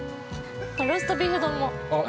ローストビーフ丼も。